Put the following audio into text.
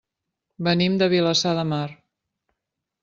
Venim de Vilassar de Mar.